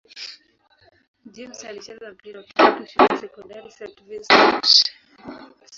James alicheza mpira wa kikapu shule ya sekondari St. Vincent-St.